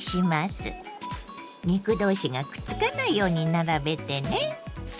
肉同士がくっつかないように並べてね。